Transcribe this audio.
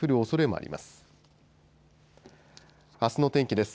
あすの天気です。